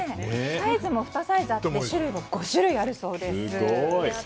サイズも２サイズあって種類も５種類あるそうです。